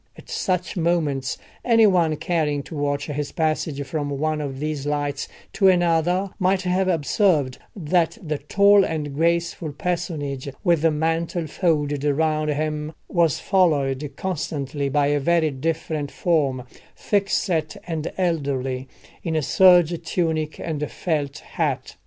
At such moments any one caring to watch his passage from one of these lights to another might have observed that the tall and graceful personage with the mantle folded round him was followed constantly by a very different form, thickset and elderly, in a serge tunic and felt hat.